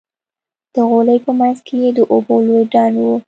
د غولي په منځ کښې يې د اوبو لوى ډنډ و.